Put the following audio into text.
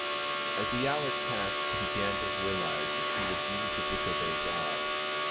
As the hours passed he began to realise that he would need to disobey God.